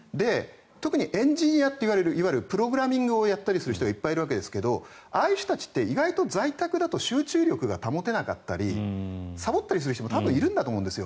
特にエンジニアといわれるプログラミングをする人たちがいっぱいいるわけですけどああいう人たちって意外と在宅だと集中力が保てなかったりさぼったりする人も多分いると思うんです。